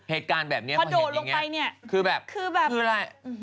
เหตุการณ์แบบนี้พอเห็นอย่างเนี่ยคือแบบคืออะไร